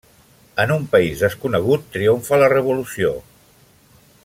En un país desconegut triomfa la revolució.